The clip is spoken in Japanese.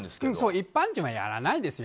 一般人はやらないですよ。